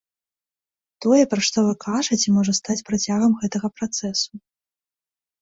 Тое, пра што вы кажыце, можа стаць працягам гэтага працэсу.